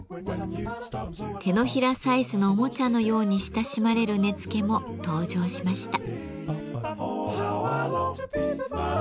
手のひらサイズのおもちゃのように親しまれる根付も登場しました。